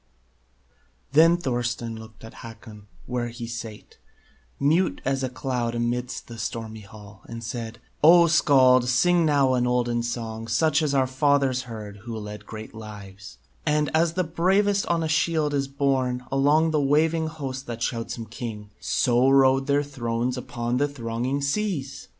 Then Thorstein looked at Hakon, where he sate, Mute as a cloud amid the stormy hall, And said: "O, Skald, sing now an olden song, Such as our fathers heard who led great lives; And, as the bravest on a shield is borne Along the waving host that shouts him king, So rode their thrones upon the thronging seas!"